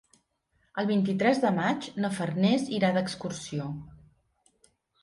El vint-i-tres de maig na Farners irà d'excursió.